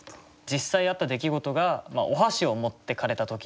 実際あった出来事がお箸を持ってかれた時。